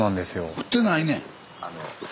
降ってないねん！